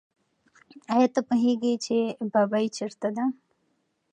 آیا ته پوهېږې چې ببۍ چېرته ده؟